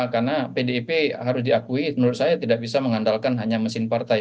karena pdip harus diakui menurut saya tidak bisa mengandalkan hanya mesin partai